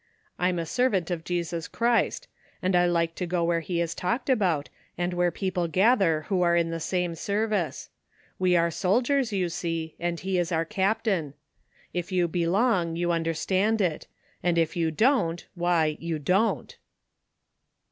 I'm a servant of Jesus Christ, and I like to go where he is talked about, and where people gather who are in the same service. We are soldiers, you see, and he is our Captain. If you belong you under stand it; and if you don't, why, you don't."